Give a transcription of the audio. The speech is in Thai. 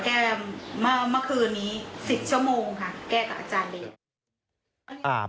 แก้มาคืนนี้๑๐ชั่วโมงค่ะแก้กับอาจารย์เรียน